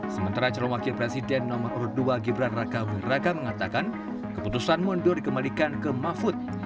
sementara calon wakil presiden nomor urut dua gibran raka bung raka mengatakan keputusan mundur dikembalikan ke mahfud